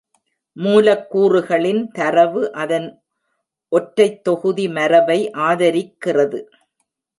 மூலக்கூறுகளின் தரவு அதன் ஒற்றைத்தொகுதி மரபை ஆதரிக்கிறது.